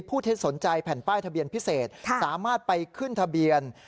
เท็จสนใจแผ่นป้ายทะเบียนพิเศษสามารถไปขึ้นทะเบียน